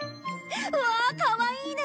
わあかわいいね！